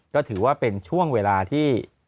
ก็ถือว่าเป็นช่วงเวลาที่